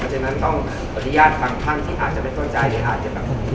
เพราะฉะนั้นต้องอนุญาตภัณฑ์ทางที่อาจจะไม่เข้าใจ